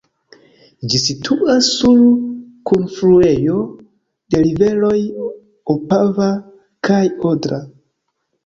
Ĝi situas sur kunfluejo de riveroj Opava kaj Odra.